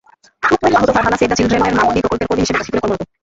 আহত Farhana save the চিলড্রেনের মা-মণি প্রকল্পের কর্মী হিসেবে লক্ষ্মীপুরে কর্মরত।